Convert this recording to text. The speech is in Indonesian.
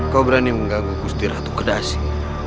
kau berani mengganggu gusti ratu kedasi